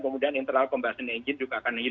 kemudian internal combustion engine juga akan dikonsumsi